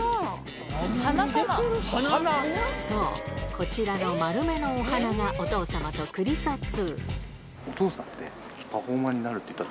こちらの丸めのお鼻がお父様とクリソツ